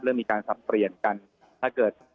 เริ่มมีการสับเปลี่ยนกันถ้าเกิด